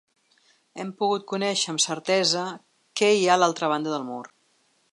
Hem pogut conèixer amb certesa què hi ha a l’altra banda del mur.